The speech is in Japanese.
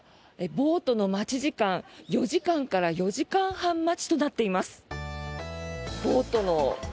ボートの待ち時間４時間から４時間半待ちとなっています。